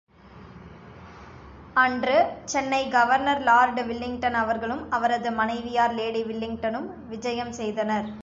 அன்று, Chennai governor lord Willingdon அவர்களும் அவரது மனைவியார் லேடி வில்லிங்டனும் விஜயம் செய்தனர்.